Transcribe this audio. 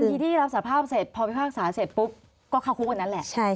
ทีที่รับสภาพเสร็จพอพิพากษาเสร็จปุ๊บก็เข้าคุกอันนั้นแหละ